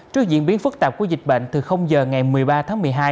trước diễn biến phức tạp của dịch bệnh từ giờ ngày một mươi ba tháng một mươi hai